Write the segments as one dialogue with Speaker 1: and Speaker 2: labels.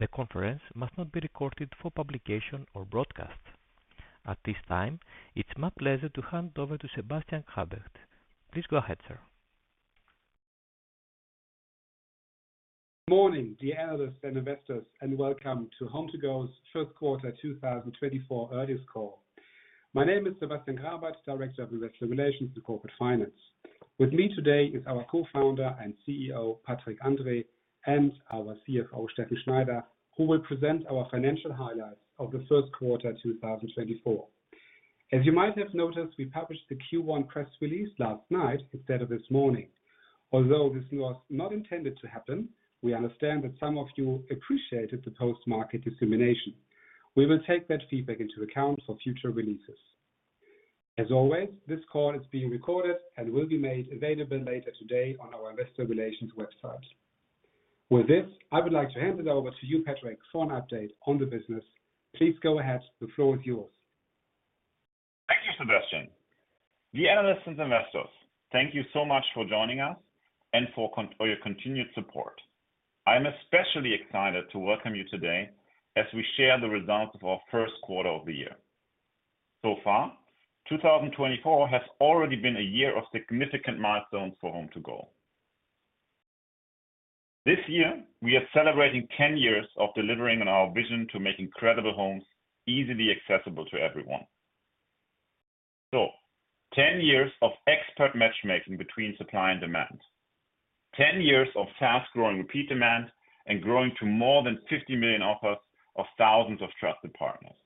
Speaker 1: The conference must not be recorded for publication or broadcast. At this time, it's my pleasure to hand over to Sebastian Grabert. Please go ahead, sir.
Speaker 2: Morning, dear analysts and investors, and welcome to HomeToGo's first quarter 2024 earnings call. My name is Sebastian Grabert, Director of Investor Relations and Corporate Finance. With me today is our co-founder and CEO, Patrick Andrae, and our CFO, Steffen Schneider, who will present our financial highlights of the first quarter 2024. As you might have noticed, we published the Q1 press release last night instead of this morning. Although this was not intended to happen, we understand that some of you appreciated the post-market dissemination. We will take that feedback into account for future releases. As always, this call is being recorded and will be made available later today on our investor relations website. With this, I would like to hand it over to you, Patrick, for an update on the business. Please go ahead. The floor is yours.
Speaker 3: Thank you, Sebastian. Dear analysts and investors, thank you so much for joining us and for your continued support. I'm especially excited to welcome you today as we share the results of our first quarter of the year. So far, 2024 has already been a year of significant milestones for HomeToGo. This year, we are celebrating 10 years of delivering on our vision to make incredible homes easily accessible to everyone. So 10 years of expert matchmaking between supply and demand, 10 years of fast-growing repeat demand, and growing to more than 50 million offers of thousands of trusted partners.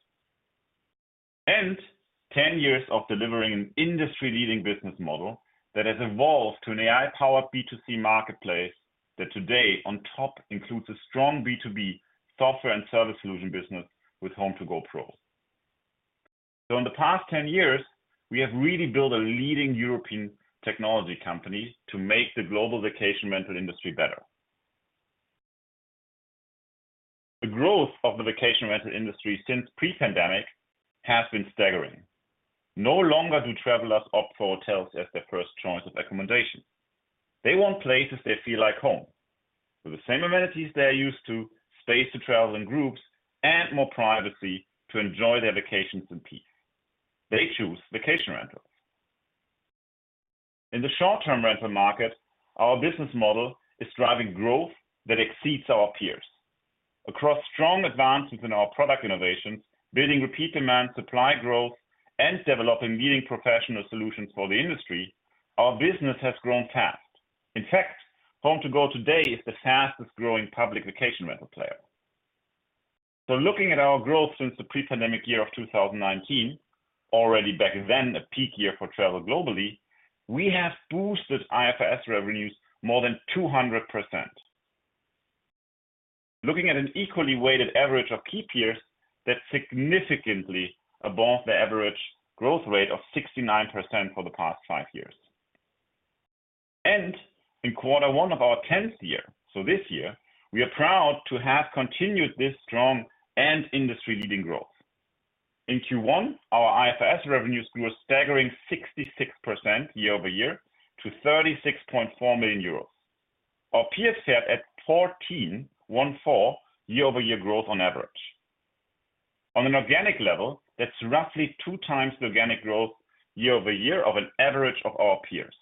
Speaker 3: And 10 years of delivering an industry-leading business model that has evolved to an AI-powered B2C marketplace that today, on top, includes a strong B2B software and service solution business with HomeToGo Pro. So in the past 10 years, we have really built a leading European technology company to make the global vacation rental industry better. The growth of the vacation rental industry since pre-pandemic has been staggering. No longer do travelers opt for hotels as their first choice of accommodation. They want places they feel like home, with the same amenities they are used to, space to travel in groups, and more privacy to enjoy their vacations in peace. They choose vacation rentals. In the short-term rental market, our business model is driving growth that exceeds our peers. Across strong advances in our product innovations, building repeat demand, supply growth, and developing leading professional solutions for the industry, our business has grown fast. In fact, HomeToGo today is the fastest-growing public vacation rental player. Looking at our growth since the pre-pandemic year of 2019, already back then, a peak year for travel globally, we have boosted IFRS revenues more than 200%. Looking at an equally weighted average of key peers, that's significantly above the average growth rate of 69% for the past 5 years. In quarter 1 of our 10th year, so this year, we are proud to have continued this strong and industry-leading growth. In Q1, our IFRS revenues grew a staggering 66% year-over-year to 36.4 million euros. Our peers sat at 14.14, year-over-year growth on average. On an organic level, that's roughly 2 times the organic growth year-over-year of an average of our peers.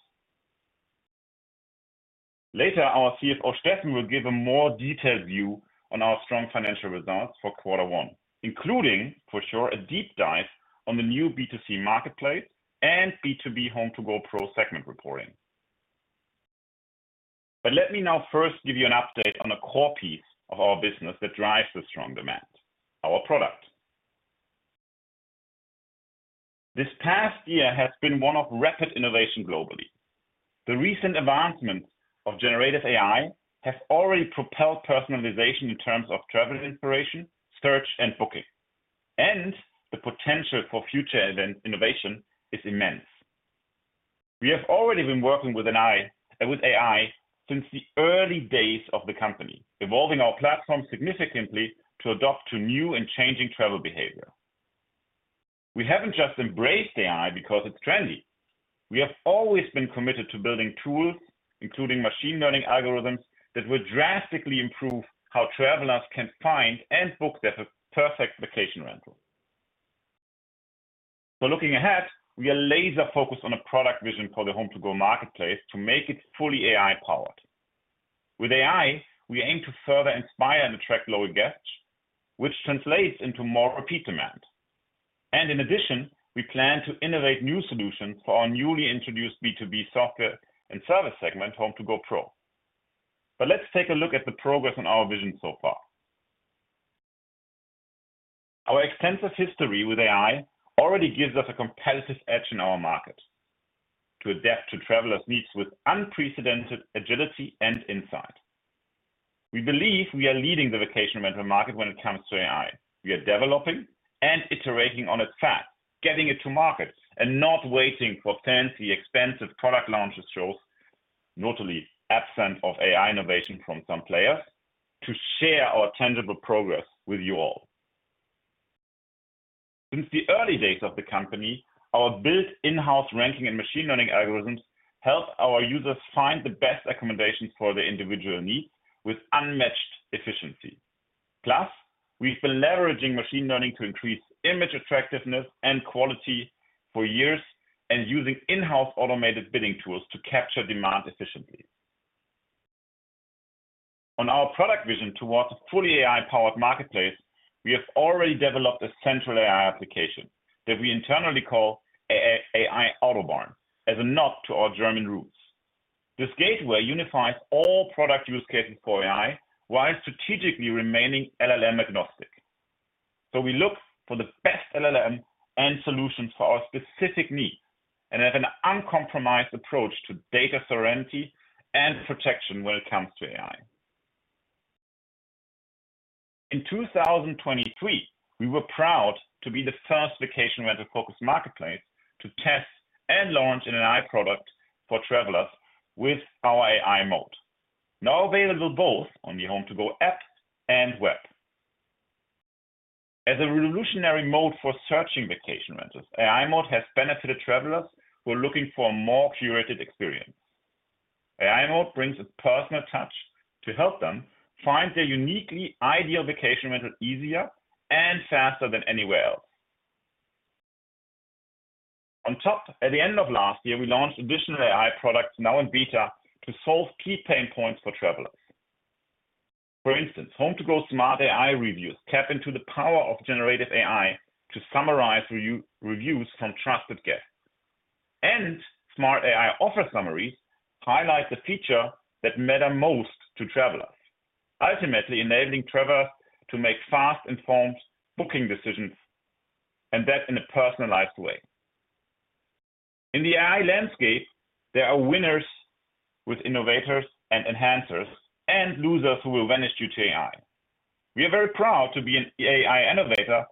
Speaker 3: Later, our CFO, Steffen, will give a more detailed view on our strong financial results for quarter one, including, for sure, a deep dive on the new B2C marketplace and B2B HomeToGo Pro segment reporting. But let me now first give you an update on a core piece of our business that drives the strong demand, our product. This past year has been one of rapid innovation globally. The recent advancements of generative AI have already propelled personalization in terms of travel inspiration, search, and booking, and the potential for future innovation is immense. We have already been working with AI since the early days of the company, evolving our platform significantly to adapt to new and changing travel behavior. We haven't just embraced AI because it's trendy. We have always been committed to building tools, including machine learning algorithms, that will drastically improve how travelers can find and book their perfect vacation rental. So looking ahead, we are laser-focused on a product vision for the HomeToGo Marketplace to make it fully AI-powered. With AI, we aim to further inspire and attract loyal guests, which translates into more repeat demand. And in addition, we plan to innovate new solutions for our newly introduced B2B software and service segment, HomeToGo Pro. But let's take a look at the progress on our vision so far. Our extensive history with AI already gives us a competitive edge in our market to adapt to travelers' needs with unprecedented agility and insight. We believe we are leading the vacation rental market when it comes to AI. We are developing and iterating on it fast, getting it to market, and not waiting for fancy, expensive product launch shows, notably absent of AI innovation from some players, to share our tangible progress with you all. Since the early days of the company, our built in-house ranking and machine learning algorithms help our users find the best accommodations for their individual needs with unmatched efficiency. Plus, we've been leveraging machine learning to increase image attractiveness and quality for years, and using in-house automated bidding tools to capture demand efficiently. On our product vision towards a fully AI-powered marketplace, we have already developed a central AI application that we internally call AA, AI Autobahn, as a nod to our German roots. This gateway unifies all product use cases for AI, while strategically remaining LLM agnostic. So we look for the best LLM and solutions for our specific needs, and have an uncompromised approach to data sovereignty and protection when it comes to AI. In 2023, we were proud to be the first vacation rental focused marketplace to test and launch an AI product for travelers with our AI Mode. Now available both on the HomeToGo app and web. As a revolutionary mode for searching vacation rentals, AI Mode has benefited travelers who are looking for a more curated experience. AI Mode brings a personal touch to help them find their uniquely ideal vacation rental easier and faster than anywhere else. On top, at the end of last year, we launched additional AI products now in beta, to solve key pain points for travelers. For instance, HomeToGo's Smart AI Reviews tap into the power of generative AI to summarize reviews from trusted guests. Smart AI Offer Summaries highlight the feature that matter most to travelers, ultimately enabling travelers to make fast, informed booking decisions, and that in a personalized way. In the AI landscape, there are winners with innovators and enhancers, and losers who will vanish due to AI. We are very proud to be an AI innovator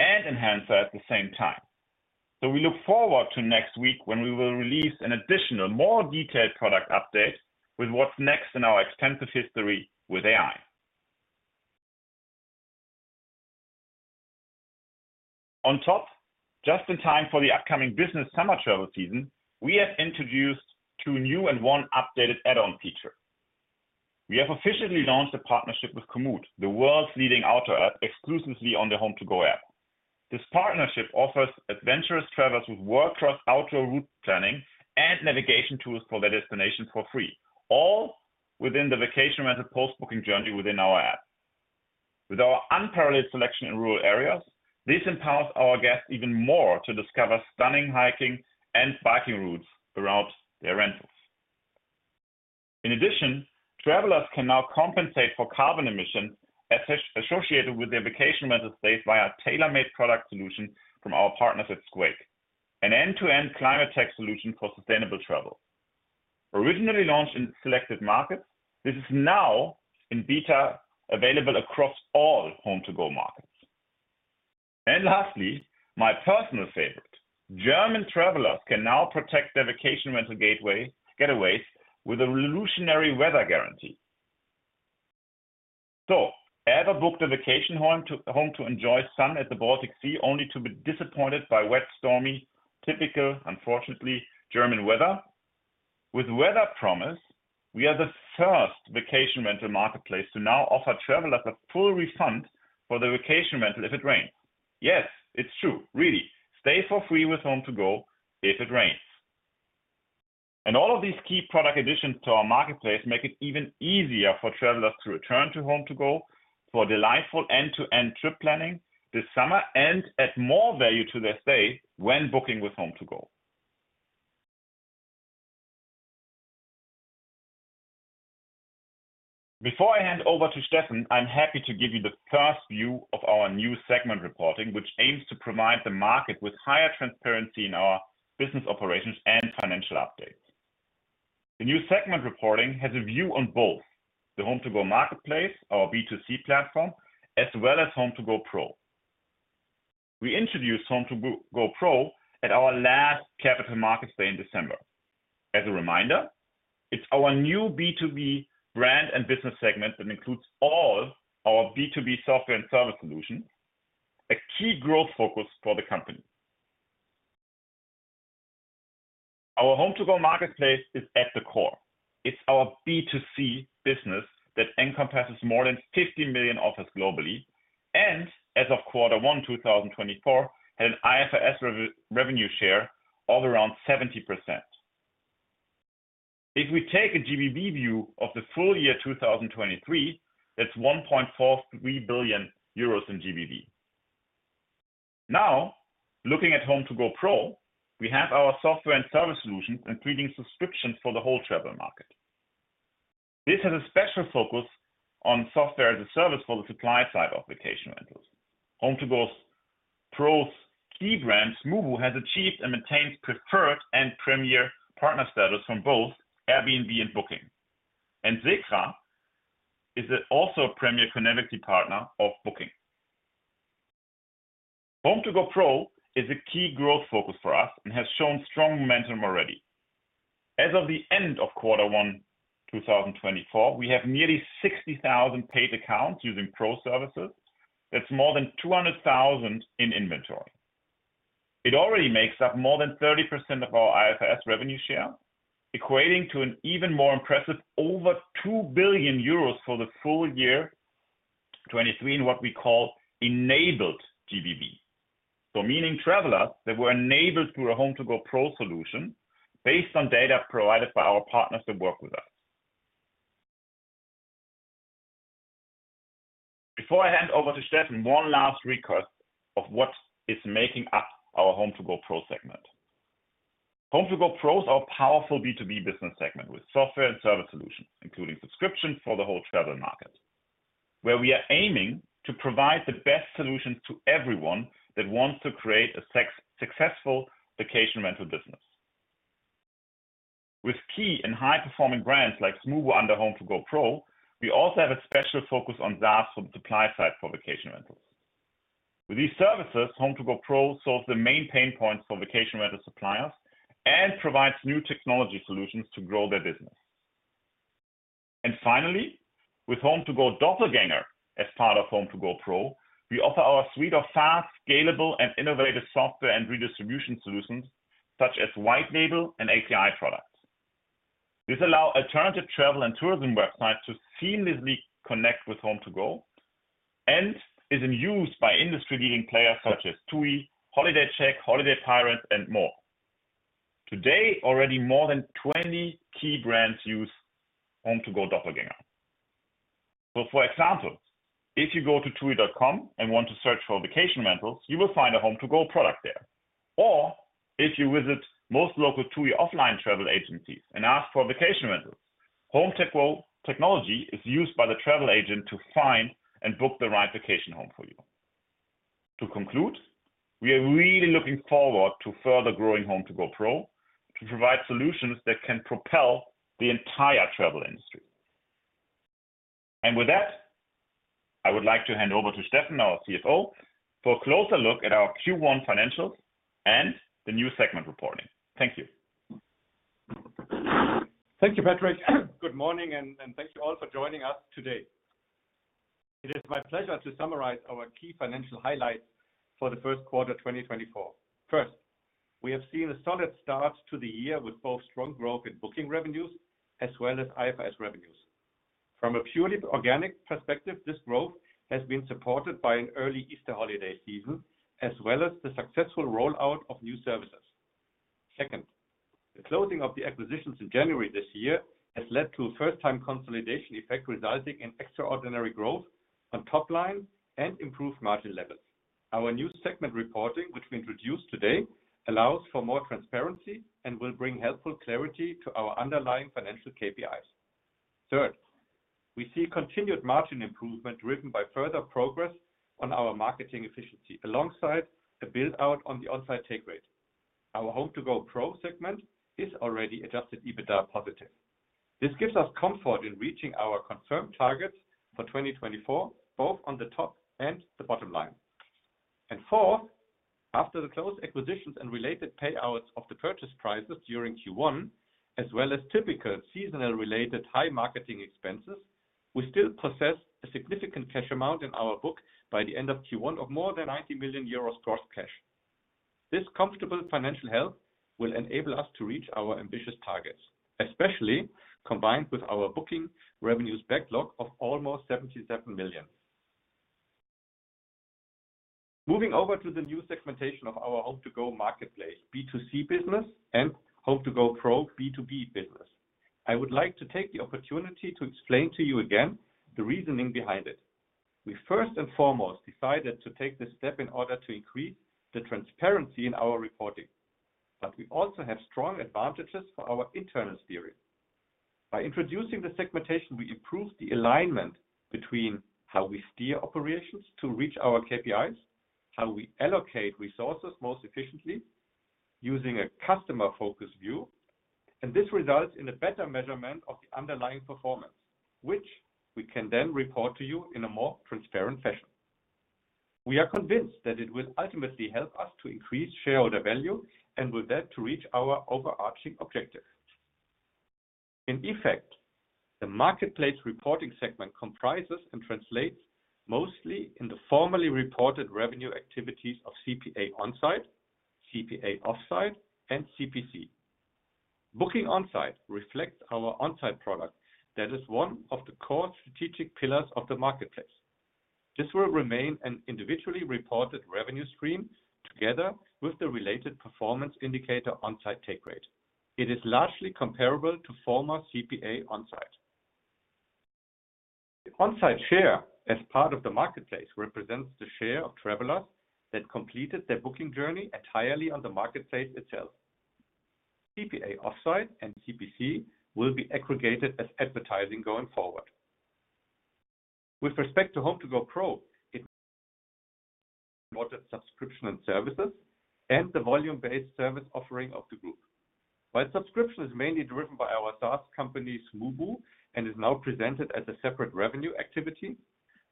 Speaker 3: and enhancer at the same time. So we look forward to next week when we will release an additional, more detailed product update with what's next in our extensive history with AI. On top, just in time for the upcoming business summer travel season, we have introduced two new and one updated add-on feature. We have officially launched a partnership with Komoot, the world's leading outdoor app, exclusively on the HomeToGo app. This partnership offers adventurous travelers with world-class outdoor route planning and navigation tools for their destination for free, all within the vacation rental post-booking journey within our app. With our unparalleled selection in rural areas, this empowers our guests even more to discover stunning hiking and biking routes throughout their rentals. In addition, travelers can now compensate for carbon emissions associated with their vacation rental stay by our tailor-made product solution from our partners at SQUAKE, an end-to-end climate tech solution for sustainable travel. Originally launched in selected markets, this is now in beta available across all HomeToGo markets. Lastly, my personal favorite, German travelers can now protect their vacation rental getaways with a revolutionary weather guarantee. So ever booked a vacation home to enjoy sun at the Baltic Sea, only to be disappointed by wet, stormy, typical, unfortunately, German weather? With Weather Promise, we are the first vacation rental marketplace to now offer travelers a full refund for their vacation rental if it rains. Yes, it's true. Really. Stay for free with HomeToGo if it rains. And all of these key product additions to our marketplace make it even easier for travelers to return to HomeToGo for delightful end-to-end trip planning this summer, and add more value to their stay when booking with HomeToGo. Before I hand over to Steffen, I'm happy to give you the first view of our new segment reporting, which aims to provide the market with higher transparency in our business operations and financial updates. The new segment reporting has a view on both the HomeToGo Marketplace, our B2C platform, as well as HomeToGo Pro. We introduced HomeToGo Pro at our last Capital Markets Day in December. As a reminder, it's our new B2B brand and business segment that includes all our B2B software and service solutions, a key growth focus for the company. Our HomeToGo Marketplace is at the core. It's our B2C business that encompasses more than 50 million offers globally, and as of quarter one 2024, had an IFRS revenue share of around 70%. If we take a GBV view of the full year 2023, that's 1.43 billion euros in GBV. Now, looking at HomeToGo Pro, we have our software and service solutions, including subscriptions for the whole travel market. This has a special focus on software as a service for the supply side of vacation rentals. HomeToGo Pro's key brand, Smoobu, has achieved and maintains preferred and premier partner status from both Airbnb and Booking. SECRA is also a premier connectivity partner of Booking. HomeToGo Pro is a key growth focus for us and has shown strong momentum already. As of the end of Q1 2024, we have nearly 60,000 paid accounts using Pro services. That's more than 200,000 in inventory. It already makes up more than 30% of our IFRS revenue share, equating to an even more impressive over 2 billion euros for the full year 2023, in what we call enabled GBV. So meaning travelers that were enabled through a HomeToGo Pro solution based on data provided by our partners that work with us. Before I hand over to Steffen, one last request of what is making up our HomeToGo Pro segment. HomeToGo Pro is our powerful B2B business segment, with software and service solutions, including subscription for the whole travel market, where we are aiming to provide the best solutions to everyone that wants to create a successful vacation rental business. With key and high-performing brands like Smoobu under HomeToGo Pro, we also have a special focus on SaaS from the supply side for vacation rentals. With these services, HomeToGo Pro solves the main pain points for vacation rental suppliers and provides new technology solutions to grow their business. And finally, with HomeToGo Doppelgänger, as part of HomeToGo Pro, we offer our suite of SaaS, scalable, and innovative software and redistribution solutions such as White Label and API products. This allow alternative travel and tourism websites to seamlessly connect with HomeToGo, and is in use by industry-leading players such as TUI, HolidayCheck, HolidayPirates, and more. Today, already more than 20 key brands use HomeToGo Doppelgänger. So for example, if you go to TUI.com and want to search for vacation rentals, you will find a HomeToGo product there. Or if you visit most local TUI offline travel agencies and ask for a vacation rental, HomeToGo technology is used by the travel agent to find and book the right vacation home for you. To conclude, we are really looking forward to further growing HomeToGo Pro, to provide solutions that can propel the entire travel industry. And with that, I would like to hand over to Steffen, our CFO, for a closer look at our Q1 financials and the new segment reporting. Thank you.
Speaker 4: Thank you, Patrick. Good morning, and thank you all for joining us today. It is my pleasure to summarize our key financial highlights for the first quarter, 2024. First, we have seen a solid start to the year with both strong growth in Booking Revenues as well as IFRS Revenues. From a purely organic perspective, this growth has been supported by an early Easter holiday season, as well as the successful rollout of new services. Second, the closing of the acquisitions in January this year has led to a first-time consolidation effect, resulting in extraordinary growth on top line and improved margin levels. Our new segment reporting, which we introduced today, allows for more transparency and will bring helpful clarity to our underlying financial KPIs. Third, we see continued margin improvement driven by further progress on our marketing efficiency, alongside the build-out on the On-site Take Rate. Our HomeToGo Pro segment is already Adjusted EBITDA positive. This gives us comfort in reaching our confirmed targets for 2024, both on the top and the bottom line. And fourth, after the closed acquisitions and related payouts of the purchase prices during Q1, as well as typical seasonal-related high marketing expenses, we still possess a significant cash amount in our book by the end of Q1 of more than 90 million euros gross cash. This comfortable financial health will enable us to reach our ambitious targets, especially combined with our booking revenues backlog of almost 77 million. Moving over to the new segmentation of our HomeToGo Marketplace, B2C business and HomeToGo Pro B2B business, I would like to take the opportunity to explain to you again the reasoning behind it. We first and foremost decided to take this step in order to increase the transparency in our reporting, but we also have strong advantages for our internal steering. By introducing the segmentation, we improve the alignment between how we steer operations to reach our KPIs, how we allocate resources most efficiently, using a customer-focused view, and this results in a better measurement of the underlying performance, which we can then report to you in a more transparent fashion. We are convinced that it will ultimately help us to increase shareholder value, and with that, to reach our overarching objectives. In effect, the marketplace reporting segment comprises and translates mostly in the formerly reported revenue activities of CPA on-site, CPA off-site, and CPC. Booking on-site reflects our on-site product that is one of the core strategic pillars of the marketplace. This will remain an individually reported revenue stream together with the related performance indicator on-site take rate. It is largely comparable to former CPA on-site. On-site share, as part of the marketplace, represents the share of travelers that completed their booking journey entirely on the marketplace itself. CPA off-site and CPC will be aggregated as advertising going forward. With respect to HomeToGo Pro, it... subscription and services, and the volume-based service offering of the group. While subscription is mainly driven by our SaaS company, Smoobu, and is now presented as a separate revenue activity....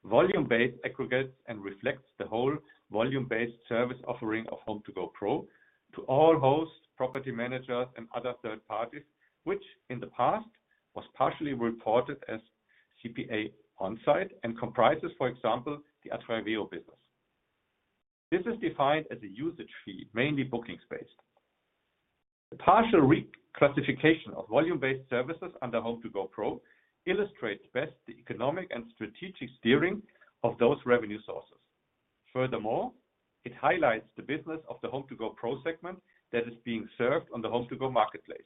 Speaker 4: volume-based aggregates and reflects the whole volume-based service offering of HomeToGo Pro to all hosts, property managers, and other third parties, which in the past, was partially reported as CPA on-site and comprises, for example, the Atraveo business. This is defined as a usage fee, mainly bookings-based. The partial reclassification of volume-based services under HomeToGo Pro illustrates best the economic and strategic steering of those revenue sources. Furthermore, it highlights the business of the HomeToGo Pro segment that is being served on the HomeToGo Marketplace.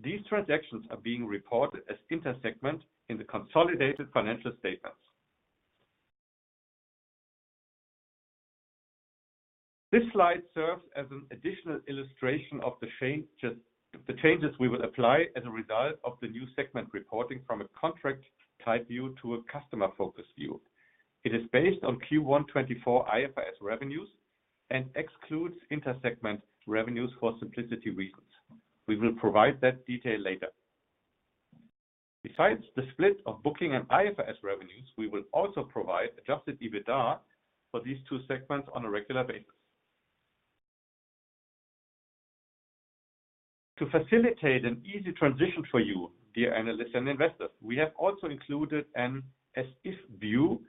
Speaker 4: These transactions are being reported as intersegment in the consolidated financial statements. This slide serves as an additional illustration of the changes, the changes we will apply as a result of the new segment reporting from a contract-type view to a customer-focused view. It is based on Q1 2024 IFRS Revenues and excludes intersegment revenues for simplicity reasons. We will provide that detail later. Besides the split of booking and IFRS Revenues, we will also provide Adjusted EBITDA for these two segments on a regular basis. To facilitate an easy transition for you, dear analysts and investors, we have also included an as-if view,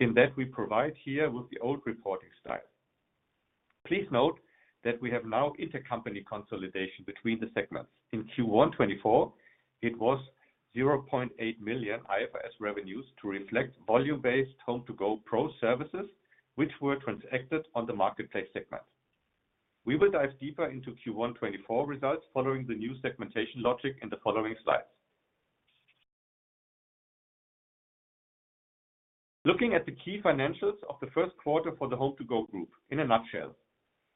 Speaker 4: in that we provide here with the old reporting style. Please note that we have now intercompany consolidation between the segments. In Q1 2024, it was 0.8 million IFRS Revenues to reflect volume-based HomeToGo Pro services, which were transacted on the marketplace segment. We will dive deeper into Q1 2024 results following the new segmentation logic in the following slides. Looking at the key financials of the first quarter for the HomeToGo Group, in a nutshell,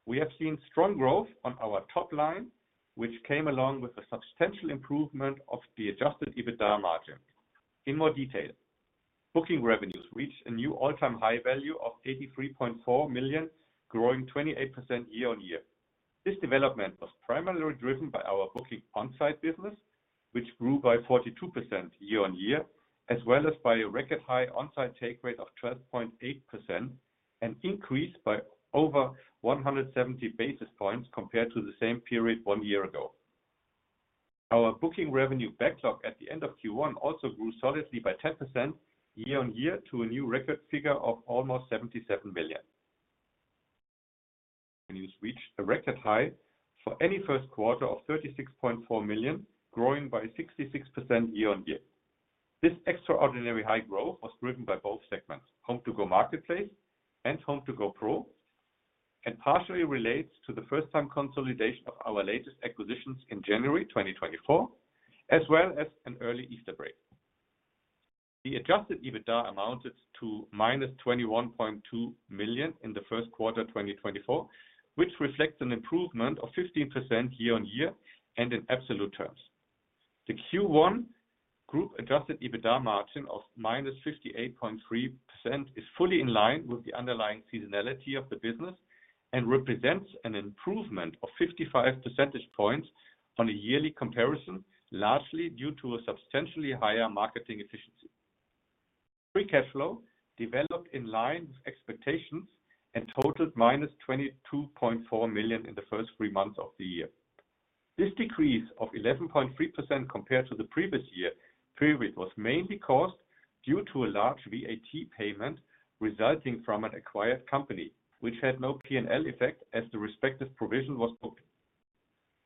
Speaker 4: we have seen strong growth on our top line, which came along with a substantial improvement of the Adjusted EBITDA margin. In more detail, Booking Revenues reached a new all-time high value of 83.4 million, growing 28% year-on-year. This development was primarily driven by our booking on-site business, which grew by 42% year-over-year, as well as by a record high on-site take rate of 12.8%, and increased by over 170 basis points compared to the same period one year ago. Our booking revenue backlog at the end of Q1 also grew solidly by 10% year-over-year to a new record figure of almost 77 million. Revenues reached a record high for any first quarter of 36.4 million, growing by 66% year-over-year. This extraordinary high growth was driven by both segments, HomeToGo Marketplace and HomeToGo Pro, and partially relates to the first-time consolidation of our latest acquisitions in January 2024, as well as an early Easter break. The Adjusted EBITDA amounted to -21.2 million in the first quarter 2024, which reflects an improvement of 15% year-on-year and in absolute terms. The Q1 group-adjusted EBITDA margin of -58.3% is fully in line with the underlying seasonality of the business and represents an improvement of 55 percentage points on a yearly comparison, largely due to a substantially higher marketing efficiency. Free cash flow developed in line with expectations and totaled -22.4 million in the first three months of the year. This decrease of 11.3% compared to the previous year period was mainly caused due to a large VAT payment resulting from an acquired company, which had no P&L effect as the respective provision was booked.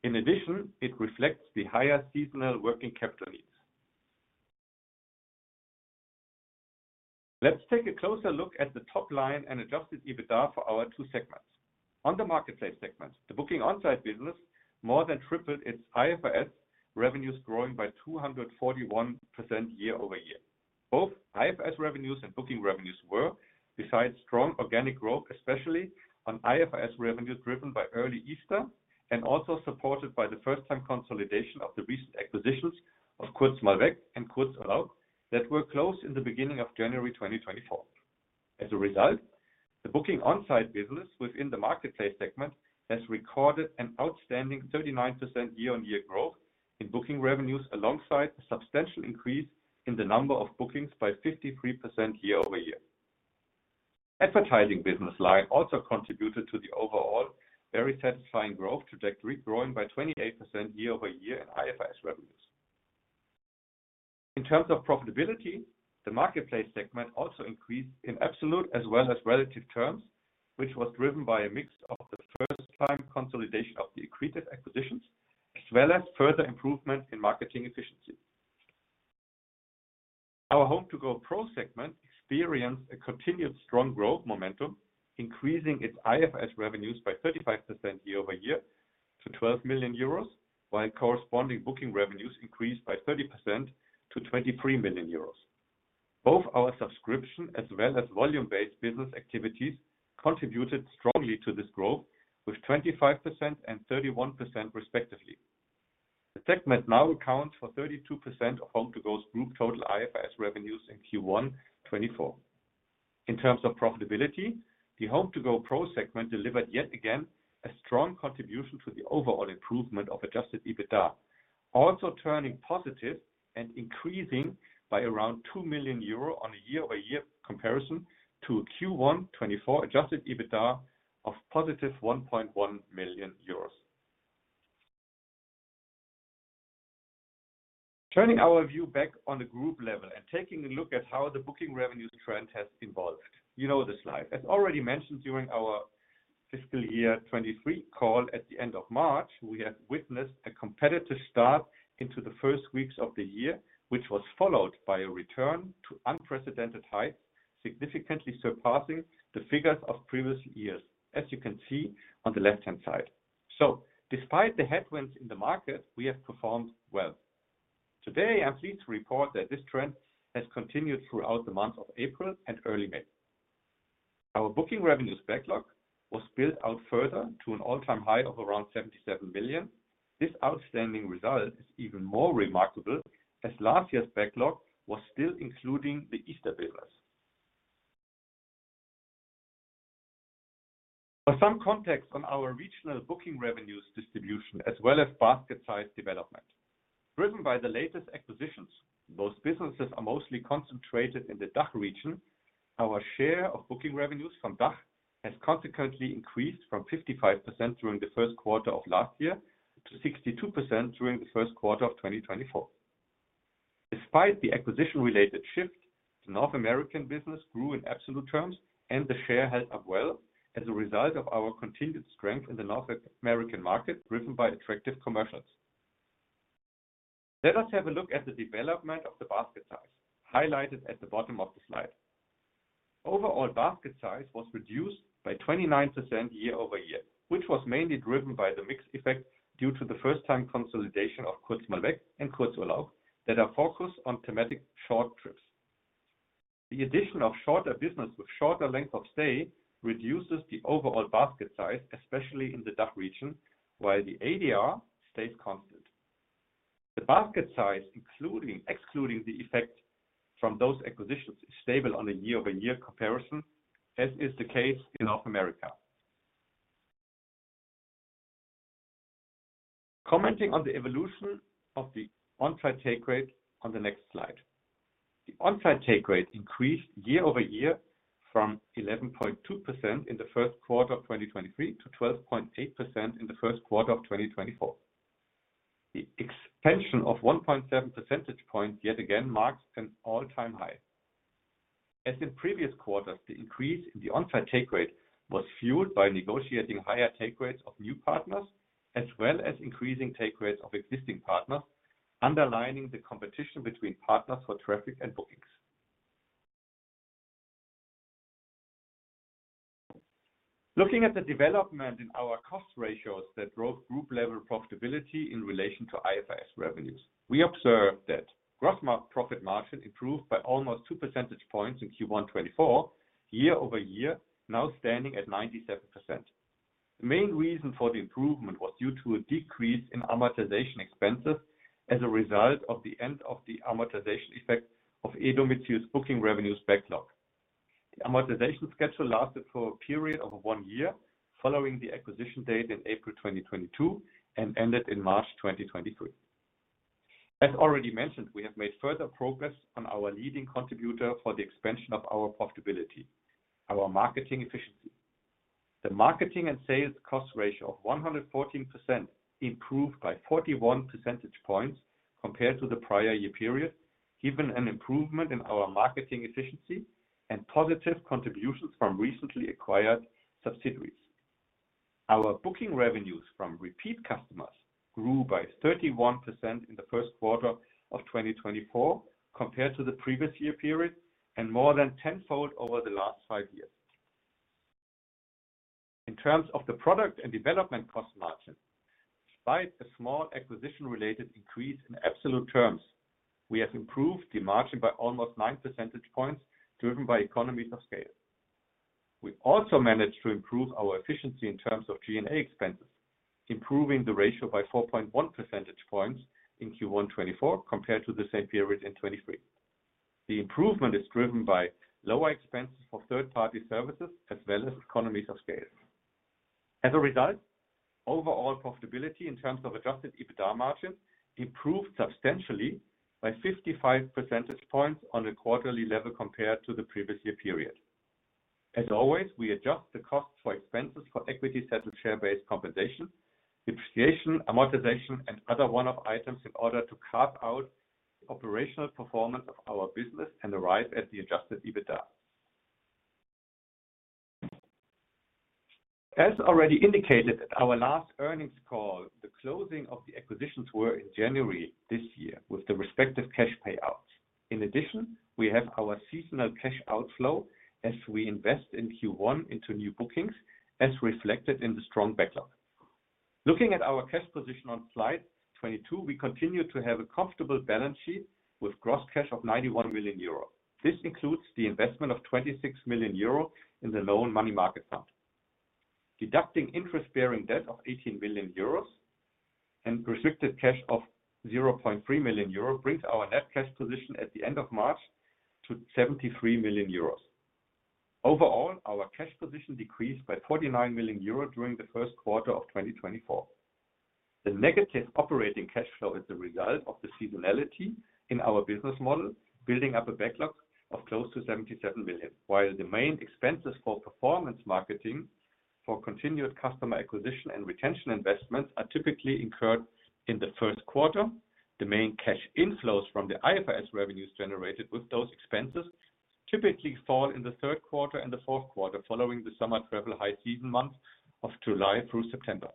Speaker 4: In addition, it reflects the higher seasonal working capital needs. Let's take a closer look at the top line and adjusted EBITDA for our two segments. On the marketplace segment, the booking on-site business more than tripled its IFRS revenues, growing by 241% year-over-year. Both IFRS revenues and booking revenues were, besides strong organic growth, especially on IFRS revenues, driven by early Easter and also supported by the first-time consolidation of the recent acquisitions of Kurz Mal Weg and Kurzurlaub, that were closed in the beginning of January 2024. As a result, the booking on-site business within the marketplace segment has recorded an outstanding 39% year-over-year growth in booking revenues, alongside a substantial increase in the number of bookings by 53% year-over-year. Advertising business line also contributed to the overall very satisfying growth trajectory, growing by 28% year-over-year in IFRS revenues. In terms of profitability, the marketplace segment also increased in absolute as well as relative terms, which was driven by a mix of the first-time consolidation of the accretive acquisitions, as well as further improvement in marketing efficiency. Our HomeToGo Pro segment experienced a continued strong growth momentum, increasing its IFRS revenues by 35% year-over-year to 12 million euros, while corresponding booking revenues increased by 30% to 23 million euros. Both our subscription as well as volume-based business activities contributed strongly to this growth, with 25% and 31% respectively. The segment now accounts for 32% of HomeToGo's group total IFRS revenues in Q1 2024. In terms of profitability, the HomeToGo Pro segment delivered yet again a strong contribution to the overall improvement of adjusted EBITDA, also turning positive and increasing by around 2 million euro on a year-over-year comparison to a Q1 2024 adjusted EBITDA of positive 1.1 million euros. Turning our view back on the group level and taking a look at how the booking revenues trend has evolved. You know this slide. As already mentioned during our fiscal year 2023 call at the end of March, we have witnessed a competitive start into the first weeks of the year, which was followed by a return to unprecedented heights, significantly surpassing the figures of previous years, as you can see on the left-hand side. So despite the headwinds in the market, we have performed well. Today, I'm pleased to report that this trend has continued throughout the month of April and early May. Our booking revenues backlog was built out further to an all-time high of around 77 million. This outstanding result is even more remarkable, as last year's backlog was still including the Easter business. For some context on our regional booking revenues distribution, as well as basket size development: Driven by the latest acquisitions, those businesses are mostly concentrated in the DACH region. Our share of booking revenues from DACH has consequently increased from 55% during the first quarter of last year to 62% during the first quarter of 2024. Despite the acquisition-related shift, the North American business grew in absolute terms, and the share held up well as a result of our continued strength in the North American market, driven by attractive commercials. Let us have a look at the development of the basket size, highlighted at the bottom of the slide. Overall, basket size was reduced by 29% year-over-year, which was mainly driven by the mix effect due to the first time consolidation of Kurz Mal Weg and Kurzurlaub, that are focused on thematic short trips. The addition of shorter business with shorter length of stay reduces the overall basket size, especially in the DACH region, while the ADR stays constant. The basket size, including--excluding the effect from those acquisitions, is stable on a year-over-year comparison, as is the case in North America. Commenting on the evolution of the on-site take rate on the next slide. The on-site take rate increased year-over-year from 11.2% in the first quarter of 2023 to 12.8% in the first quarter of 2024. The expansion of 1.7 percentage points yet again marks an all-time high. As in previous quarters, the increase in the on-site take rate was fueled by negotiating higher take rates of new partners, as well as increasing take rates of existing partners, underlining the competition between partners for traffic and bookings. Looking at the development in our cost ratios that drove group-level profitability in relation to IFRS revenues, we observed that gross mark profit margin improved by almost 2 percentage points in Q1 2024, year over year, now standing at 97%. The main reason for the improvement was due to a decrease in amortization expenses as a result of the end of the amortization effect of e-domizil's booking revenues backlog. The amortization schedule lasted for a period of one year following the acquisition date in April 2022 and ended in March 2023. As already mentioned, we have made further progress on our leading contributor for the expansion of our profitability, our marketing efficiency. The marketing and sales cost ratio of 114% improved by 41 percentage points compared to the prior year period, given an improvement in our marketing efficiency and positive contributions from recently acquired subsidiaries. Our Booking Revenues from repeat customers grew by 31% in the first quarter of 2024 compared to the previous year period, and more than 10-fold over the last 5 years. In terms of the product and development cost margin, despite a small acquisition-related increase in absolute terms, we have improved the margin by almost 9 percentage points, driven by economies of scale. We also managed to improve our efficiency in terms of G&A expenses, improving the ratio by 4.1 percentage points in Q1 2024 compared to the same period in 2023. The improvement is driven by lower expenses for third-party services as well as economies of scale. As a result, overall profitability in terms of adjusted EBITDA margin improved substantially by 55 percentage points on a quarterly level compared to the previous year period. As always, we adjust the cost for expenses for equity-settled share-based compensation, depreciation, amortization, and other one-off items in order to carve out the operational performance of our business and arrive at the adjusted EBITDA. As already indicated at our last earnings call, the closing of the acquisitions were in January this year, with the respective cash payouts. In addition, we have our seasonal cash outflow as we invest in Q1 into new bookings, as reflected in the strong backlog. Looking at our cash position on slide 22, we continue to have a comfortable balance sheet with gross cash of 91 million euro. This includes the investment of 26 million euro in the loan money market fund. Deducting interest-bearing debt of 18 million euros and restricted cash of 0.3 million euro brings our net cash position at the end of March to 73 million euros. Overall, our cash position decreased by 49 million euro during the first quarter of 2024. The negative operating cash flow is a result of the seasonality in our business model, building up a backlog of close to 77 million. While the main expenses for performance marketing for continued customer acquisition and retention investments are typically incurred in the first quarter, the main cash inflows from the IFRS revenues generated with those expenses typically fall in the third quarter and the fourth quarter, following the summer travel high season months of July through September.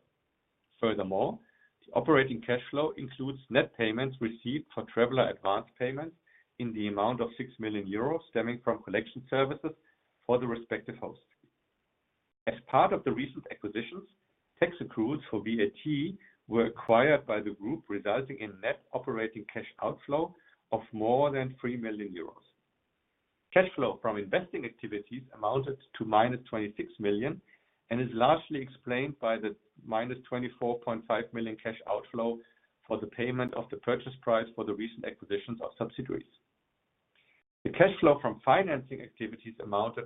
Speaker 4: Furthermore, the operating cash flow includes net payments received for traveler advance payments in the amount of 6 million euros, stemming from collection services for the respective host. As part of the recent acquisitions, tax accruals for VAT were acquired by the group, resulting in net operating cash outflow of more than 3 million euros. Cash flow from investing activities amounted to minus 26 million and is largely explained by the minus 24.5 million cash outflow for the payment of the purchase price for the recent acquisitions of subsidiaries. The cash flow from financing activities amounted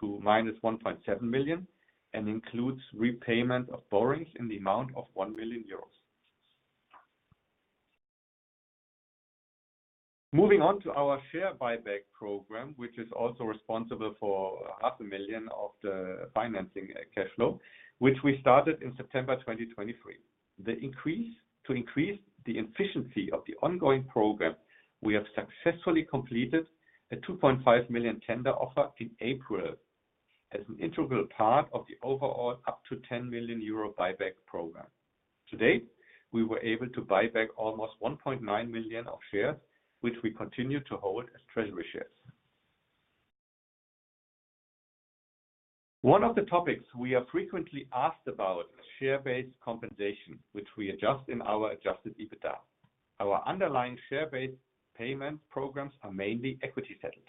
Speaker 4: to -1.7 million and includes repayment of borrowings in the amount of 1 million euros. Moving on to our share buyback program, which is also responsible for 500,000 of the financing cash flow, which we started in September 2023. To increase the efficiency of the ongoing program, we have successfully completed a 2.5 million tender offer in April as an integral part of the overall up to 10 million euro buyback program. To date, we were able to buy back almost 1.9 million shares, which we continue to hold as treasury shares. One of the topics we are frequently asked about is share-based compensation, which we adjust in our adjusted EBITDA. Our underlying share-based payment programs are mainly equity settled.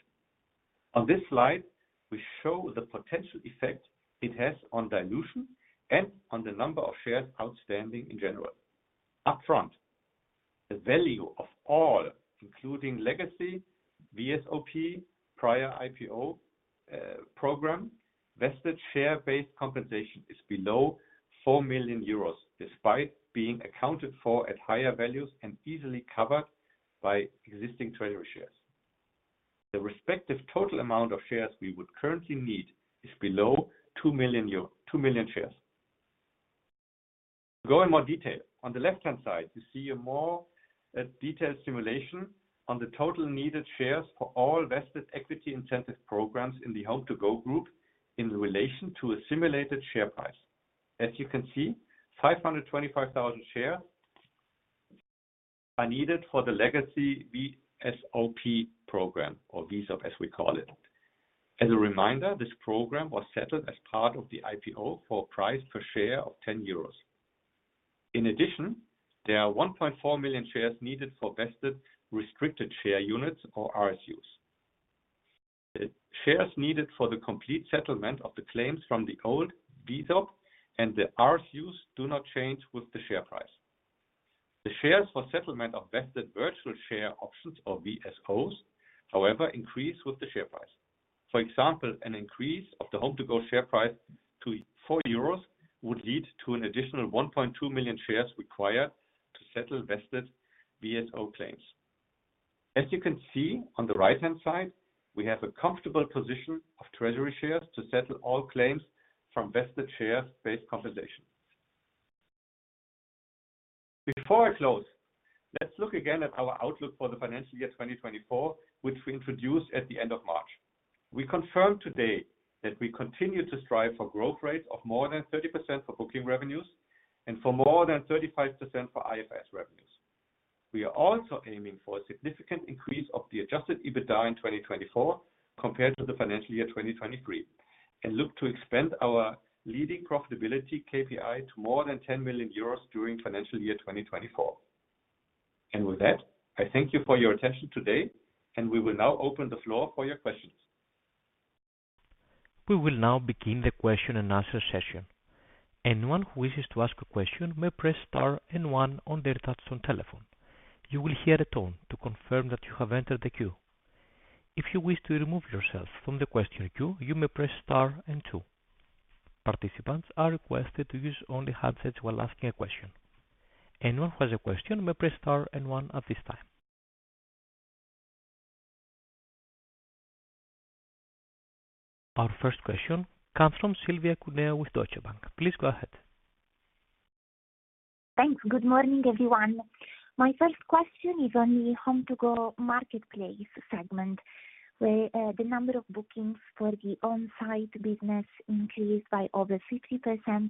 Speaker 4: On this slide, we show the potential effect it has on dilution and on the number of shares outstanding in general. Upfront, the value of all, including legacy VSOP, prior IPO program, vested share-based compensation is below 4 million euros, despite being accounted for at higher values and easily covered by existing treasury shares. The respective total amount of shares we would currently need is below 2 million - 2 million shares. Go in more detail. On the left-hand side, you see a more detailed simulation on the total needed shares for all vested equity incentive programs in the HomeToGo group in relation to a simulated share price. As you can see, 525,000 shares are needed for the legacy VSOP program, or VSOP, as we call it. As a reminder, this program was settled as part of the IPO for a price per share of 10 euros. In addition, there are 1.4 million shares needed for vested restricted share units or RSUs. Shares needed for the complete settlement of the claims from the old VSOP and the RSUs do not change with the share price. The shares for settlement of vested virtual share options, or VSOs, however, increase with the share price. For example, an increase of the HomeToGo share price to 4 euros would lead to an additional 1.2 million shares required to settle vested VSO claims. As you can see on the right-hand side, we have a comfortable position of treasury shares to settle all claims from vested share-based compensation. Before I close, let's look again at our outlook for the financial year 2024, which we introduced at the end of March. We confirm today that we continue to strive for growth rate of more than 30% for Booking Revenues and for more than 35% for IFRS Revenues. We are also aiming for a significant increase of the adjusted EBITDA in 2024 compared to the financial year 2023, and look to expand our leading profitability KPI to more than 10 million euros during financial year 2024. With that, I thank you for your attention today, and we will now open the floor for your questions.
Speaker 1: We will now begin the question-and-answer session. Anyone who wishes to ask a question may press star and one on their touchtone telephone. You will hear a tone to confirm that you have entered the queue. If you wish to remove yourself from the question queue, you may press star and two. Participants are requested to use only handsets while asking a question. Anyone who has a question may press star and one at this time. Our first question comes from Silvia Cuneo with Deutsche Bank. Please go ahead.
Speaker 5: Thanks. Good morning, everyone. My first question is on the HomeToGo Marketplace segment, where the number of bookings for the on-site business increased by over 50%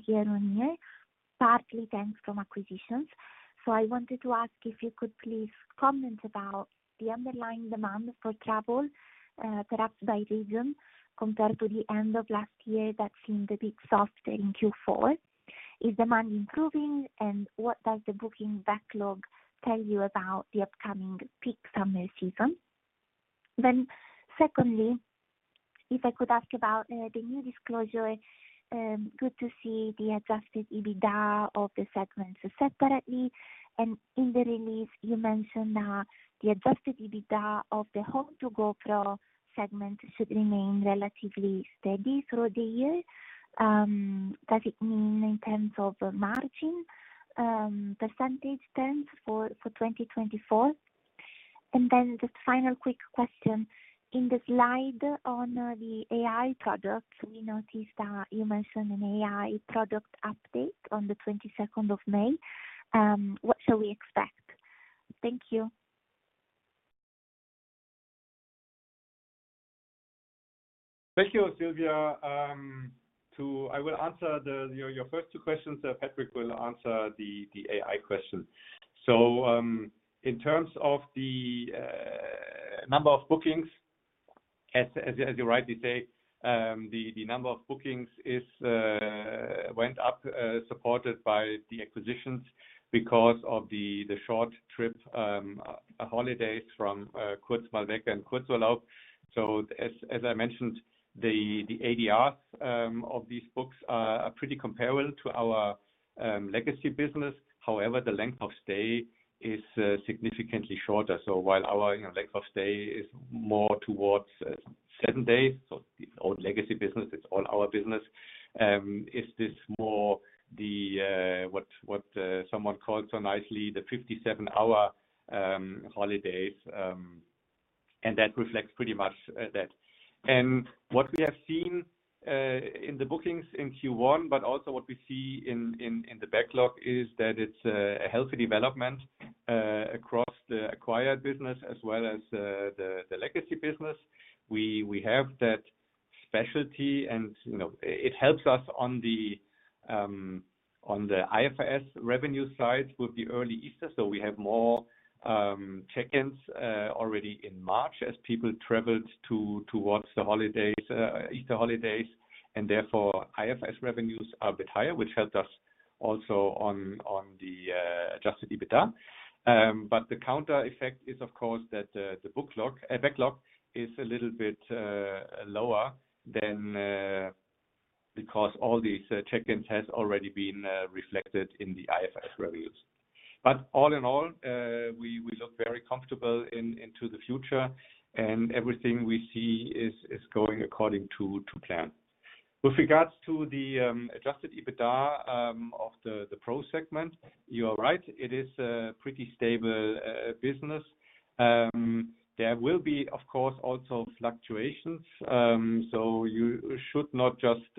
Speaker 5: year-on-year, partly thanks from acquisitions. So I wanted to ask if you could please comment about the underlying demand for travel, perhaps by region, compared to the end of last year, that seemed a bit softer in Q4. Is demand improving, and what does the booking backlog tell you about the upcoming peak summer season? Then secondly, if I could ask about the new disclosure, good to see the Adjusted EBITDA of the segments separately. And in the release, you mentioned that the Adjusted EBITDA of the HomeToGo Pro segment should remain relatively steady through the year. Does it mean in terms of margin, percentage terms for 2024? And then just final quick question. In the slide on the AI product, we noticed that you mentioned an AI product update on the 22nd of May. What shall we expect? Thank you.
Speaker 4: Thank you, Silvia. I will answer your first two questions. Patrick will answer the AI question. So, in terms of the number of bookings, as you rightly say, the number of bookings went up, supported by the acquisitions because of the short trip holidays from Kurz Mal Weg and Kurzurlaub. So as I mentioned, the ADR of these bookings are pretty comparable to our legacy business. However, the length of stay is significantly shorter. So while our, you know, length of stay is more towards seven days, so it's all legacy business, it's all our business. This is more the what someone called so nicely, the 57-hour holidays, and that reflects pretty much that. What we have seen in the bookings in Q1, but also what we see in the backlog, is that it's a healthy development across the acquired business as well as the legacy business. We have that specialty and, you know, it helps us on the IFRS Revenues side with the early Easter. So we have more check-ins already in March as people traveled towards the holidays, Easter holidays, and therefore, IFRS Revenues are a bit higher, which helped us also on the Adjusted EBITDA. But the counter effect is, of course, that the backlog is a little bit lower than because all these check-ins has already been reflected in the IFRS Revenues. But all in all, we look very comfortable into the future, and everything we see is going according to plan. With regards to the adjusted EBITDA of the Pro segment, you are right, it is a pretty stable business. There will be, of course, also fluctuations, so you should not just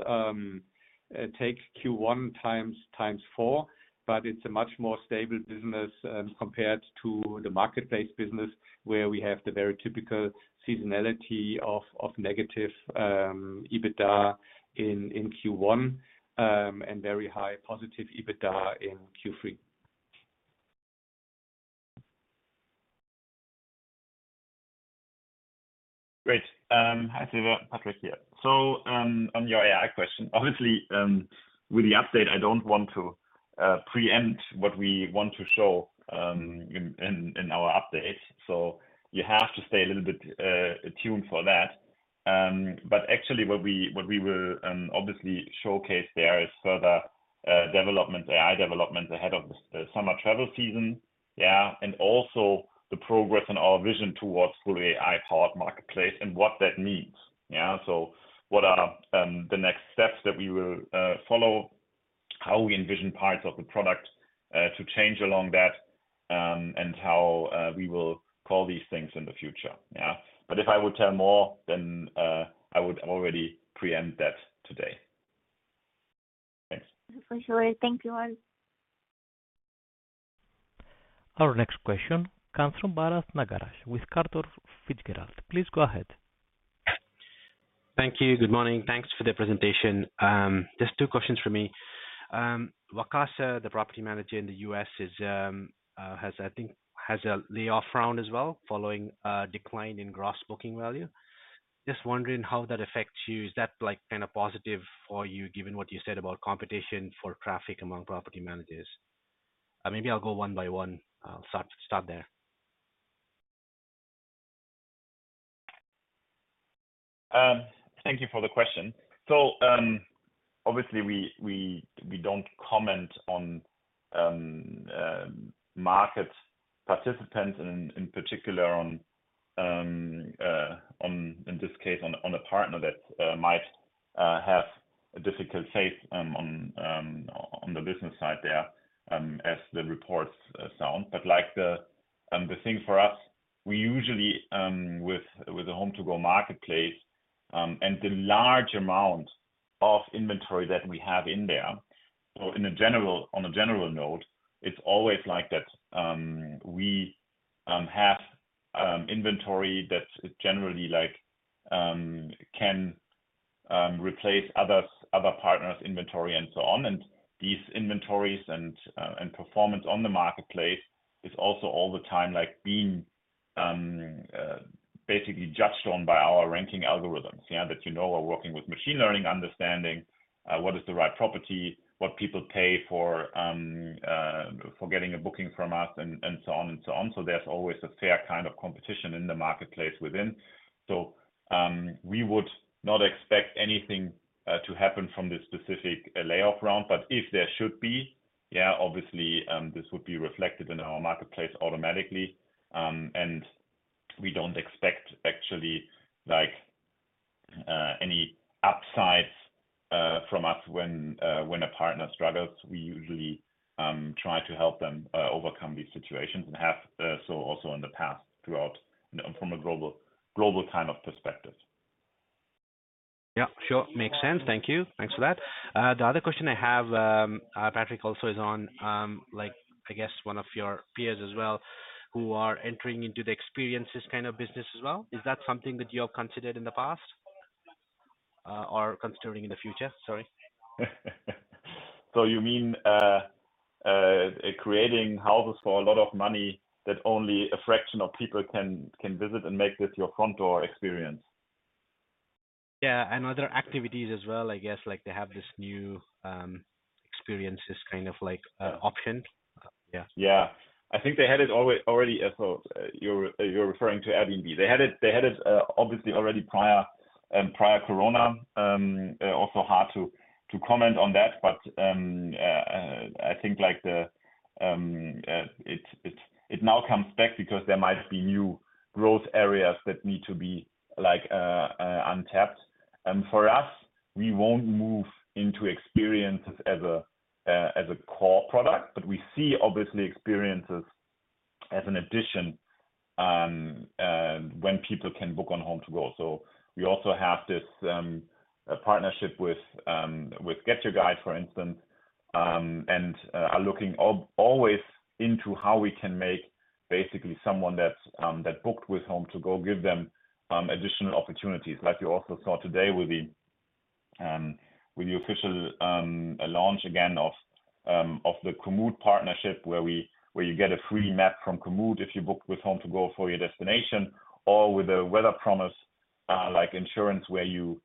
Speaker 4: take Q1 times four, but it's a much more stable business compared to the marketplace business, where we have the very typical seasonality of negative EBITDA in Q1 and very high positive EBITDA in Q3.
Speaker 3: Great. Hi, Silvia, Patrick here. So, on your AI question, obviously, with the update, I don't want to preempt what we want to show, in our update, so you have to stay a little bit tuned for that. But actually what we will obviously showcase there is further development, AI development ahead of the summer travel season. Yeah, and also the progress and our vision towards fully AI-powered marketplace and what that means. Yeah. So what are the next steps that we will follow? How we envision parts of the product to change along that, and how we will call these things in the future, yeah. But if I would tell more, then I would already preempt that today. Thanks.
Speaker 5: For sure. Thank you all.
Speaker 1: Our next question comes from Bharat Nagaraj, with Cantor Fitzgerald. Please go ahead.
Speaker 6: Thank you. Good morning. Thanks for the presentation. Just two questions for me. Vacasa, the property manager in the U.S., is, has, I think, has a layoff round as well, following a decline in gross booking value. Just wondering how that affects you. Is that, like, kind of positive for you, given what you said about competition for traffic among property managers? Maybe I'll go one by one. Start there.
Speaker 3: Thank you for the question. So, obviously, we don't comment on market participants, and in particular, in this case, on a partner that might have a difficult phase on the business side there, as the reports sound. But like the thing for us, we usually, with the HomeToGo Marketplace, and the large amount of inventory that we have in there, so on a general note, it's always like that, we have inventory that's generally like can replace other partners' inventory and so on. And these inventories and performance on the marketplace is also all the time, like being basically judged on by our ranking algorithms. Yeah, that you know, are working with machine learning, understanding what is the right property, what people pay for, for getting a booking from us, and, and so on and so on. So there's always a fair kind of competition in the marketplace within. So, we would not expect anything to happen from this specific layoff round, but if there should be, yeah, obviously, this would be reflected in our marketplace automatically. And we don't expect actually, like, any upsides from us when a partner struggles. We usually try to help them overcome these situations and have, so also in the past, throughout, from a global, global time of perspective.
Speaker 6: Yeah, sure. Makes sense. Thank you. Thanks for that. The other question I have, Patrick, also is on, like, I guess one of your peers as well, who are entering into the experiences kind of business as well. Is that something that you have considered in the past, or considering in the future? Sorry.
Speaker 3: You mean, creating houses for a lot of money that only a fraction of people can visit and make this your front door experience?
Speaker 6: Yeah, and other activities as well, I guess. Like, they have this new, experiences kind of like, option. Yeah. Yeah. I think they had it already... So you're referring to Airbnb. They had it, they had it, obviously already prior, prior Corona. Also hard to comment on that, but, I think, like the, it, it, it now comes back because there might be new growth areas that need to be like, untapped. And for us, we won't move into experiences as a core product, but we see obviously experiences as an addition, when people can book on HomeToGo. So we also have this, a partnership with, with GetYourGuide, for instance, and, are looking always into how we can make basically someone that's, that booked with HomeToGo, give them, additional opportunities. Like you also saw today with the official launch again of the Komoot partnership, where you get a free map from Komoot if you book with HomeToGo for your destination, or with a weather promise, like insurance, where you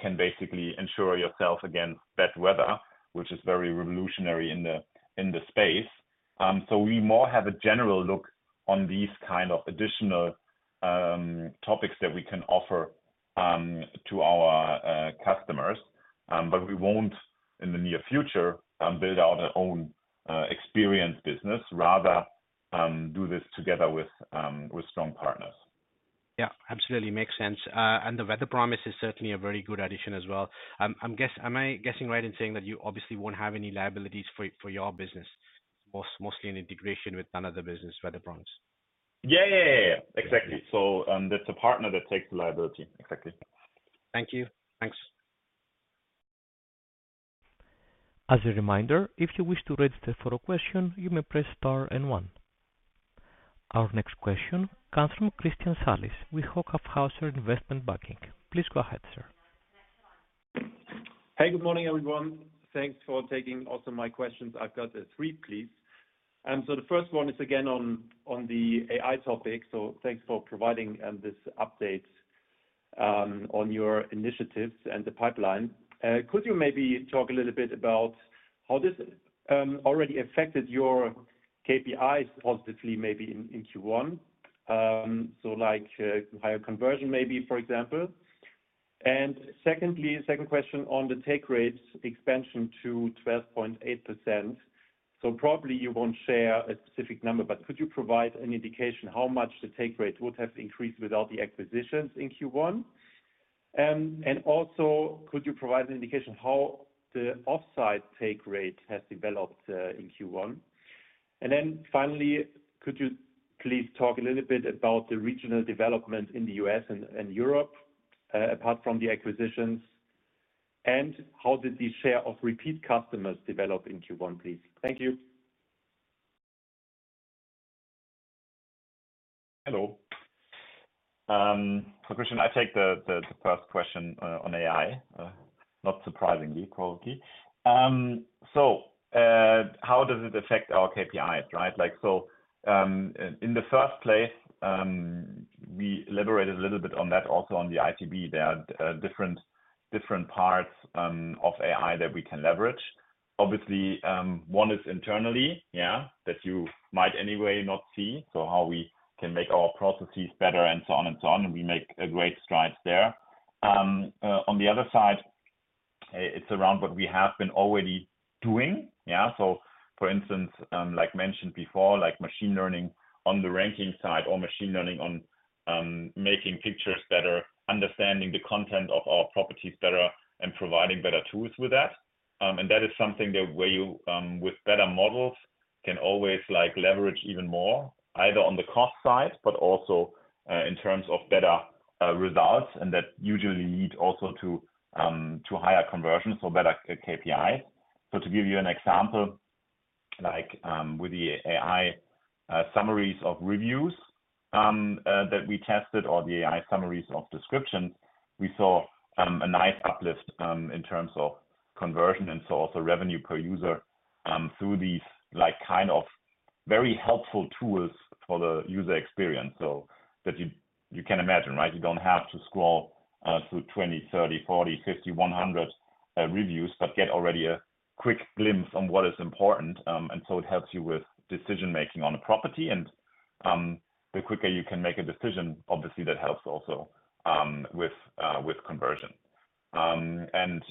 Speaker 6: can basically ensure yourself against bad weather, which is very revolutionary in the space. So we more have a general look on these kind of additional topics that we can offer to our customers. But we won't in the near future build out our own experience business, rather do this together with strong partners. Yeah, absolutely. Makes sense. And the Weather Promise is certainly a very good addition as well. Am I guessing right in saying that you obviously won't have any liabilities for, for your business, mostly an integration with another business, Weather Promise?
Speaker 3: Yeah, yeah, yeah. Exactly. So, that's a partner that takes the liability. Exactly.
Speaker 6: Thank you. Thanks.
Speaker 1: As a reminder, if you wish to register for a question, you may press star and one. Our next question comes from Christian Salis with Hauck Aufhäuser Investment Banking. Please go ahead, sir.
Speaker 7: Hey, good morning, everyone. Thanks for taking also my questions. I've got three, please. And so the first one is again on the AI topic, so thanks for providing this update on your initiatives and the pipeline. Could you maybe talk a little bit about how this already affected your KPIs positively, maybe in Q1? So like higher conversion, maybe, for example. And secondly, second question on the take rates expansion to 12.8%. So probably you won't share a specific number, but could you provide an indication how much the take rate would have increased without the acquisitions in Q1? And also, could you provide an indication how the off-site take rate has developed in Q1? Then finally, could you please talk a little bit about the regional development in the U.S. and Europe, apart from the acquisitions, and how did the share of repeat customers develop in Q1, please? Thank you.
Speaker 3: Hello. So, Christian, I take the first question on AI, not surprisingly, quality. So, how does it affect our KPIs, right? Like, so, in the first place, we elaborated a little bit on that, also on the ITB. There are different parts of AI that we can leverage. Obviously, one is internally, yeah, that you might anyway not see, so how we can make our processes better and so on and so on, and we make a great strides there. On the other side, it's around what we have been already doing, yeah? So for instance, like mentioned before, like machine learning on the ranking side or machine learning on making pictures better, understanding the content of our properties better, and providing better tools with that. And that is something that where you with better models can always like leverage even more, either on the cost side, but also in terms of better results, and that usually lead also to higher conversion, so better KPIs. So to give you an example, like, with the AI summaries of reviews that we tested or the AI summaries of descriptions, we saw a nice uplift in terms of conversion and so also revenue per user through these like very helpful tools for the user experience. So that you can imagine, right? You don't have to scroll through 20, 30, 40, 50, 100 reviews, but get already a quick glimpse on what is important. And so it helps you with decision-making on a property, and the quicker you can make a decision, obviously, that helps also with conversion. And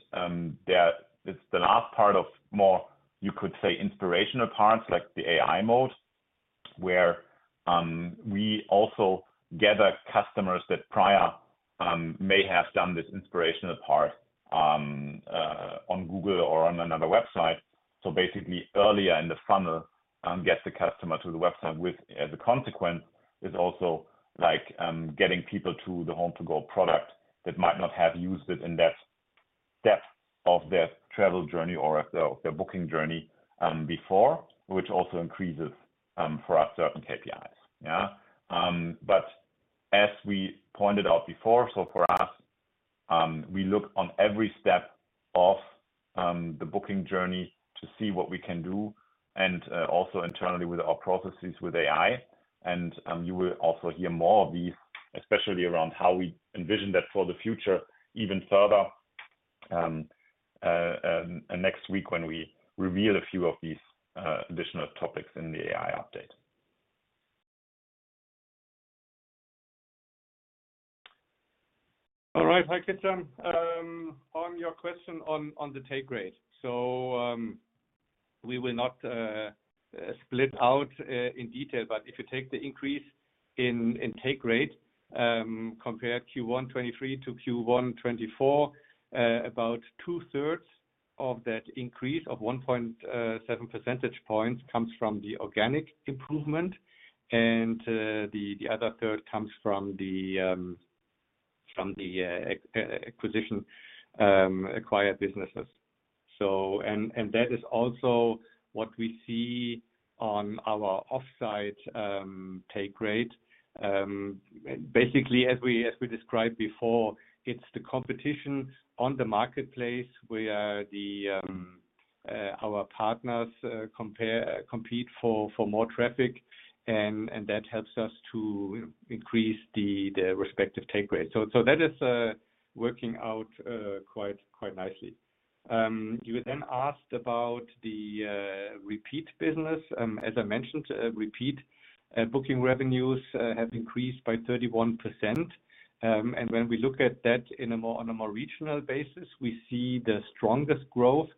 Speaker 3: it's the last part of more, you could say, inspirational parts, like the AI Mode, where we also gather customers that prior may have done this inspirational part on Google or on another website. So basically earlier in the funnel, get the customer to the website with as a consequence is also like getting people to the HomeToGo product that might not have used it in that depth of their travel journey or their booking journey before, which also increases for us certain KPIs. Yeah. But as we pointed out before, so for us, we look on every step of the booking journey to see what we can do, and also internally with our processes with AI. You will also hear more of these, especially around how we envision that for the future, even further, next week when we reveal a few of these additional topics in the AI update.
Speaker 4: All right, thank you, Christian. On your question on the take rate. So, we will not split out in detail, but if you take the increase in take rate, compare Q1 2023 to Q1 2024, about 2/3 of that increase of 1.7 percentage points comes from the organic improvement, and the other third comes from the acquisition acquired businesses. So, and that is also what we see on our offsite take rate. Basically, as we described before, it's the competition on the marketplace where our partners compete for more traffic, and that helps us to increase the respective take rate. So, that is working out quite nicely. You then asked about the repeat business. As I mentioned, repeat booking revenues have increased by 31%. And when we look at that on a more regional basis, we see the strongest growth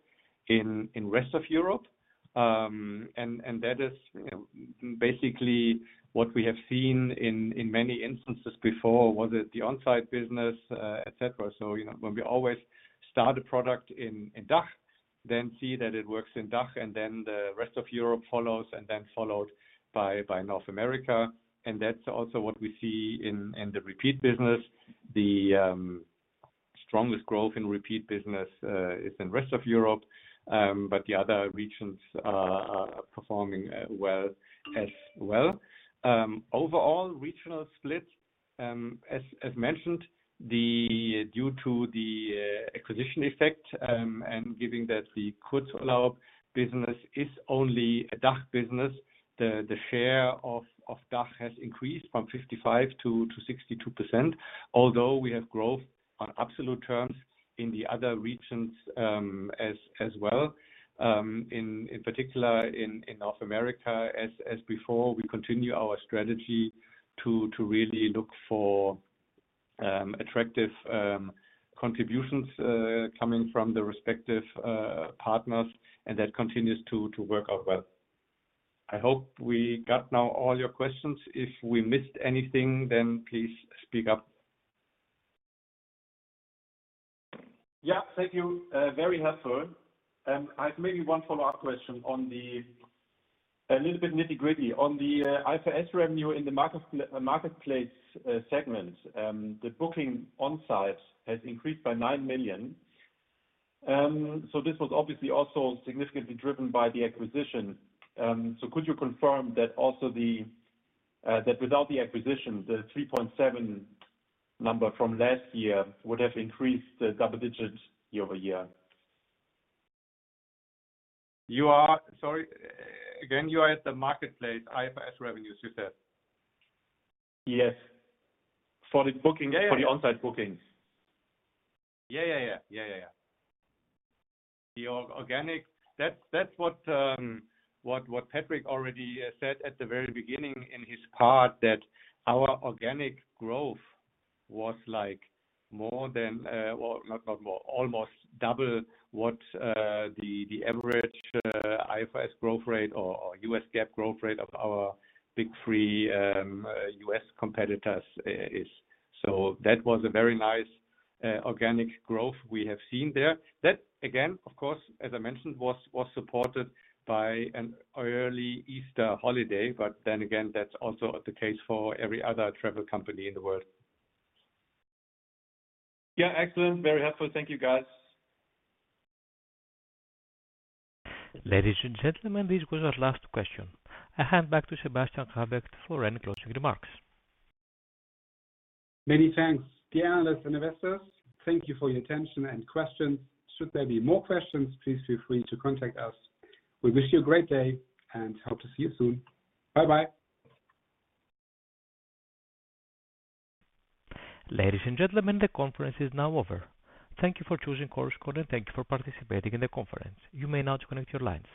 Speaker 4: in rest of Europe. And that is, you know, basically what we have seen in many instances before, was it the on-site business, et cetera. So, you know, when we always start a product in DACH, then see that it works in DACH, and then the rest of Europe follows, and then followed by North America. And that's also what we see in the repeat business. The strongest growth in repeat business is in rest of Europe, but the other regions are performing well as well. Overall, regional split, as mentioned, due to the acquisition effect, and given that the Kurzurlaub business is only a DACH business, the share of DACH has increased from 55 to 62%. Although we have growth on absolute terms in the other regions, as well. In particular, in North America, as before, we continue our strategy to really look for attractive contributions coming from the respective partners, and that continues to work out well. I hope we got now all your questions. If we missed anything, then please speak up.
Speaker 7: Yeah, thank you. Very helpful. I have maybe one follow-up question on the... A little bit nitty-gritty. On the IFRS revenue in the marketplace segment. The booking on site has increased by 9 million. So this was obviously also significantly driven by the acquisition. So could you confirm that also the that without the acquisition, the 3.7 number from last year would have increased the double digits year-over-year?
Speaker 4: You are? Sorry, again, you are at the marketplace, IFRS revenues, you said.
Speaker 7: Yes. For the booking-
Speaker 4: Yeah, yeah.
Speaker 7: For the on-site bookings.
Speaker 4: Yeah, yeah, yeah. Yeah, yeah, yeah. The organic, that's what Patrick already said at the very beginning in his part, that our organic growth was like more than, well, not more, almost double what the average IFRS growth rate or U.S. GAAP growth rate of our big three U.S. competitors is. So that was a very nice organic growth we have seen there. That, again, of course, as I mentioned, was supported by an early Easter holiday, but then again, that's also the case for every other travel company in the world.
Speaker 7: Yeah, excellent. Very helpful. Thank you, guys.
Speaker 1: Ladies and gentlemen, this was our last question. I hand back to Sebastian Grabert for any closing remarks.
Speaker 2: Many thanks, dear analysts and investors. Thank you for your attention and questions. Should there be more questions, please feel free to contact us. We wish you a great day, and hope to see you soon. Bye-bye.
Speaker 1: Ladies and gentlemen, the conference is now over. Thank you for choosing Chorus Call, and thank you for participating in the conference. You may now disconnect your lines.